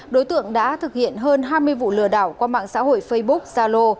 đối tượng đã thực hiện hơn hai mươi vụ lừa đảo qua mạng xã hội facebook zalo